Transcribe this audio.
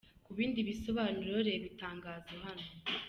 Ku bindi bisobanuro reba itangazo hano:.